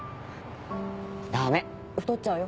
ダメ太っちゃうよ。